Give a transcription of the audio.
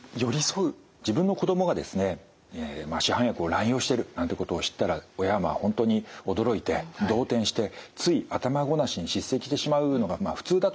自分の子供がですね市販薬を乱用しているなんてことを知ったら親は本当に驚いて動転してつい頭ごなしに叱責してしまうのが普通だと思うんですね。